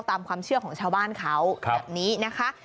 ตามความเชื่อของชาวบ้านเขาแบบนี้นะคะ